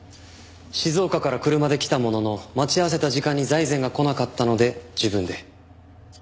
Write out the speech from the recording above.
静岡から車で来たものの待ち合わせた時間に財前が来なかったので自分で。